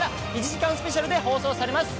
１時間スペシャルで放送されます。